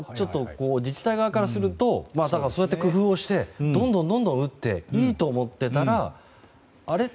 自治体側からすると工夫をしてどんどん打っていいと思っていたらあれ？